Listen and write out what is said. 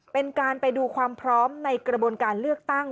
เป็นการไปดูความพร้อมในกระบวนการเลือกตั้ง